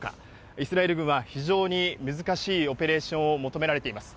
イスラエル軍は非常に難しいオペレーションを求められています。